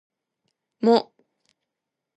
も